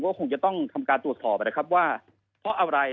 ก็คงจะต้องทำการตรวจสอบนะครับว่าเพราะอะไร